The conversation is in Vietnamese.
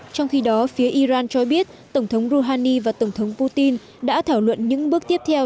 trong khi đó phía iran cho biết tổng thống rouhani và tổng thống putin đã thảo luận những bước tiếp theo